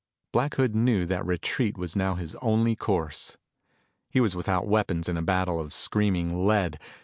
Black Hood knew that retreat was now his only course. He was without weapons in a battle of screaming lead.